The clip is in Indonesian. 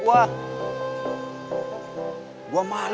gue malu kalau lo ngelakuin kerjaan halal